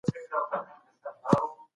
هره ورځ لږ لامبو کول د بدن لپاره غوره ده.